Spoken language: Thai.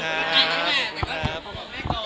แต่ว่าเราสองคนเห็นตรงกันว่าก็คืออาจจะเรียบง่าย